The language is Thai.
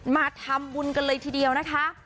มาทำบุญกันเลยทีเดียวนะคะ